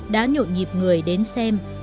đã nhộn nhịp người đến xem